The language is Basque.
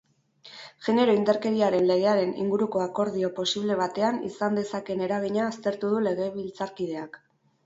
Genero indarkeriaren legearen inguruko akordio posible batean izan dezakeen eragina aztertu du legebiltzarkideak.